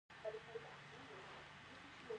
له دې ماشینونو څخه په تولید کې ګټه اخیستل کیږي.